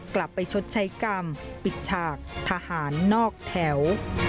กลับไปชดใช้กรรมปิดฉากทหารนอกแถว